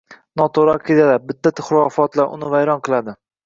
noto‘g‘ri aqidalar, bidʼat- xurofotlar uni vayron qiladi.